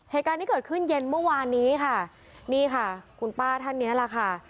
เหตุการณ์ที่เกิดขึ้นเย็นเมื่อวานนี้ค่ะนี่ค่ะคุณป้าท่านเนี้ยแหละค่ะ